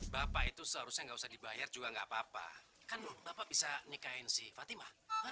bapak itu seharusnya nggak usah dibayar juga enggak papa papa bisa nikahin si fatima